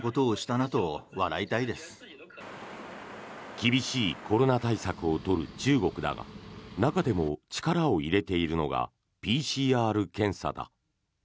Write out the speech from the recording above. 厳しいコロナ対策を取る中国だが中でも力を入れているのがＰＣＲ検査だ。